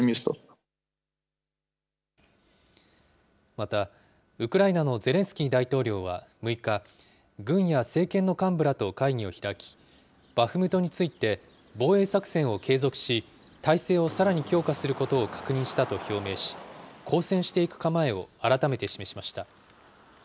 またウクライナのゼレンスキー大統領は６日、軍や政権の幹部らと会議を開き、バフムトについて、防衛作戦を継続し、態勢をさらに強化することを確認したと表明し、抗戦していく構えを改めて示しました。